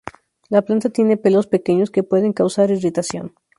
La planta tiene pelos pequeños que pueden causar irritación.